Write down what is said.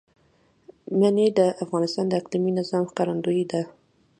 منی د افغانستان د اقلیمي نظام ښکارندوی ده.